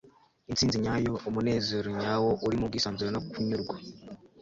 intsinzi nyayo, umunezero nyawo uri mu bwisanzure no kunyurwa